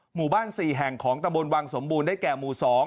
หมู่บ้าน๔แห่งของตะบนวังสมบูรณ์ได้แก่หมู่๒